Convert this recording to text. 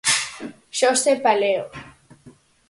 Xosé Paleo.